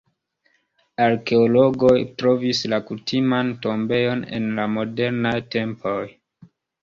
Arkeologoj trovis la kutiman tombejon en la modernaj tempoj.